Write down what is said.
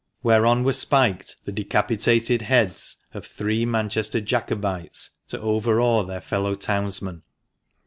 whereon were spiked the decapitated heads ot three Manchester Jacobites to overawe their fellow townsmen.